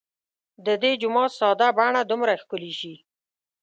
د دې جومات ساده بڼه دومره ښکلې شي.